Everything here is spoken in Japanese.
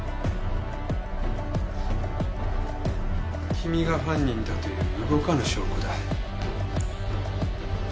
君が犯人だという動かぬ証拠だ。